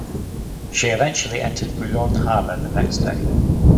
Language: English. She eventually entered Boulogne harbour the next day.